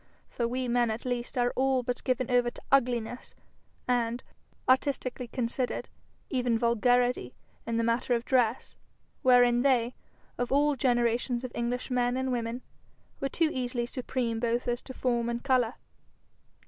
For we men at least are all but given over to ugliness, and, artistically considered, even vulgarity, in the matter of dress, wherein they, of all generations of English men and women, were too easily supreme both as to form and colour.